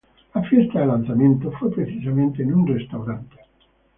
La fiesta de lanzamiento fue precisamente en un restaurante McDonald's.